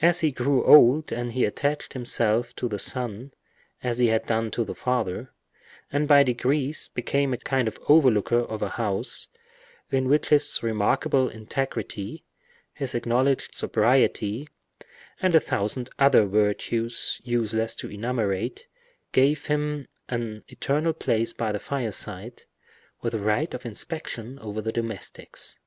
As he grew old he attached himself to the son as he had done to the father, and by degrees became a kind of over looker of a house in which his remarkable integrity, his acknowledged sobriety, and a thousand other virtues useless to enumerate, gave him an eternal place by the fireside, with a right of inspection over the domestics.